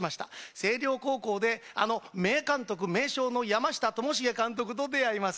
星稜高校であの名監督、名監督・名将の山下監督と出会います。